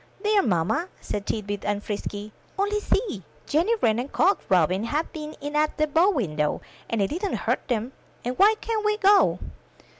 '*There, mamma,*' said Tit bit and Frisky, '*only see ! Jenny Wren and Cock Robin have been in at the bow window, and it didn't hurt them, and why can't we go?